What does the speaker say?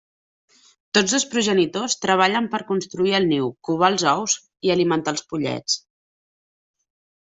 Tots dos progenitors treballen per construir el niu, covar els ous i alimentar els pollets.